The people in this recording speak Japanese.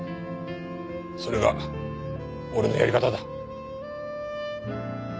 それが俺のやり方だ。